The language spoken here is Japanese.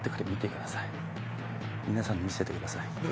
皆さんに見せてください。